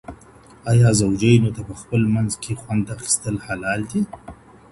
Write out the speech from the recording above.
آيا زوجينو ته پخپل منځ کي خوند اخيستل حلال دي؟